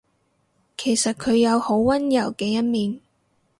其實佢有好溫柔嘅一面